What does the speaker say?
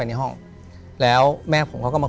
ถูกต้องไหมครับถูกต้องไหมครับ